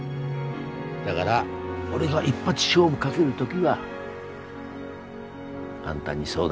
だがら俺が一発勝負かける時はあんたに相談する。